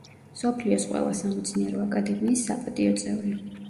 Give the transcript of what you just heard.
მსოფლიოს ყველა სამეცნიერო აკადემიის საპატიო წევრი.